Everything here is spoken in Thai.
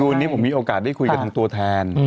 วันนี้ผมมีโอกาสได้คุยกับทางตัวแทน